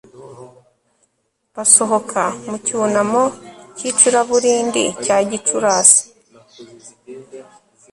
basohoka mu cyunamo k'icuraburindi rya gicurasi